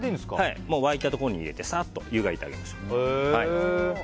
沸いたところに入れてさっと、湯がいてあげましょう。